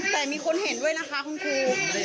แต่มีคนเห็นด้วยนะคะคุณครู